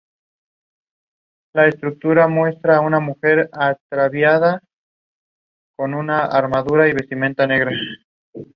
Former Republican Eugene Foss was selected to be his running mate.